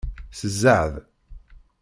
S zzeɛḍ!